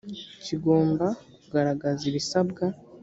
kigomba kugaragaza ibisabwa.